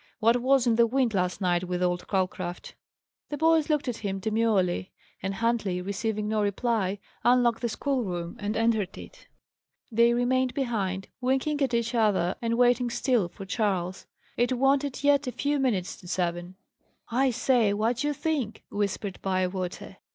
"What was in the wind last night with old Calcraft?" The boys looked at him demurely; and Huntley, receiving no reply, unlocked the schoolroom and entered it. They remained behind, winking at each other, and waiting still for Charles. It wanted yet a few minutes to seven. "I say, what d'ye think?" whispered Bywater.